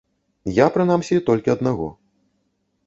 Я, прынамсі, толькі аднаго.